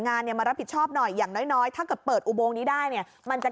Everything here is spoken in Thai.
งานเนี่ยมารับผิดชอบหน่อยอย่างน้อยถ้าเกิดเปิดอุโมงนี้ได้เนี่ยมันจะ